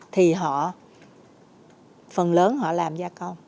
thì họ phần lớn họ làm gia công